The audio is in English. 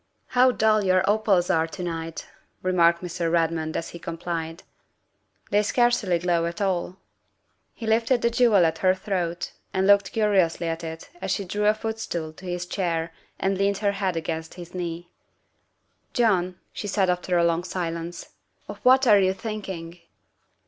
" How dull your opals are to night," remarked Mr. Redmond as he complied, " they scarcely glow at all." THE SECRETARY OF STATE 357 He lifted the jewel at her throat and looked curiously at it as she drew a footstool to his chair and leaned her head against his knee. " John," she said after a long silence, " of what are you thinking?"